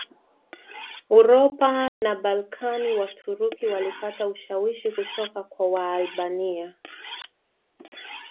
Uropa na Balkan Waturuki walipata ushawishi kutoka kwa Waalbania